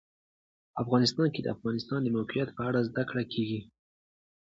افغانستان کې د د افغانستان د موقعیت په اړه زده کړه کېږي.